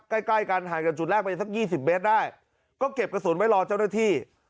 ใกล้กันหาจุดแรกไปสัก๒๐เบสได้ก็เก็บกระสุนไว้รอเจ้านักที่